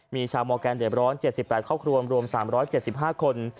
มีชาวมอร์แกนเดือดร้อน๗๘ครอบครัวรวม๓๗๕คน